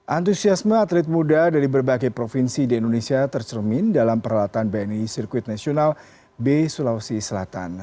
antusiasme atlet muda dari berbagai provinsi di indonesia tercermin dalam peralatan bni sirkuit nasional b sulawesi selatan